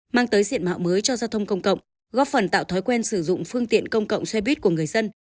mang tới diện mạo mới cho giao thông công cộng góp phần tạo thói quen sử dụng phương tiện công cộng xe buýt của người dân